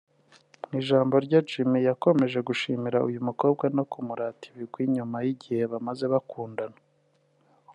Mu ijambo rye Jimmy yakomeje gushimira uyu mukobwa no kumurata ibigwi nyuma y'igihe bamaze bakundana